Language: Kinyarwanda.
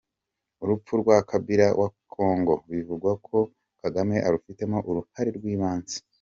Urupfu rwa Kabila wa Kongo, bivugwa ko Kagame arufitemo uruhare rw’ibanze.